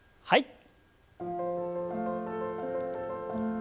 はい。